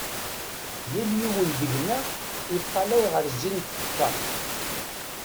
Yal yiwen deg-nneɣ iṭṭalay ɣer zzin n tfekka.